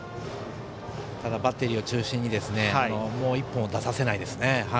ただバッテリーを中心にもう１本出させないですね。